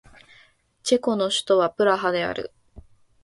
チェコの首都はプラハである